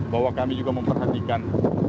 bahwa kami juga memperhatikan